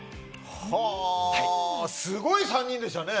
すごい３人でしたね。